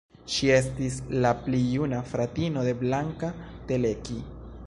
Ŝi estis la pli juna fratino de Blanka Teleki.